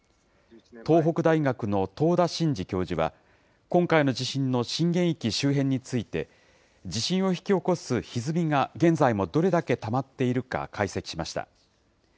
東北大学の遠田晋次教授は、今回の地震の震源域周辺について、地震を引き起こすひずみが現在もどれだけたまっているか、解析しました。